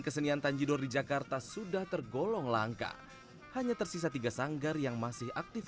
kesenian tanjidor di jakarta sudah tergolong langka hanya tersisa tiga sanggar yang masih aktif